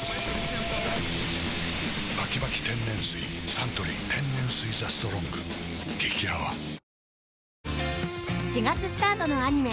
サントリー天然水「ＴＨＥＳＴＲＯＮＧ」激泡４月スタートのアニメ